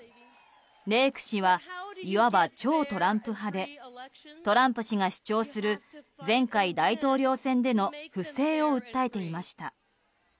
レーク氏はいわば超トランプ派でトランプ氏が主張する前回大統領選での不正を訴えていました。